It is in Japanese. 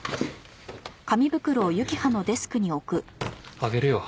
あげるよ。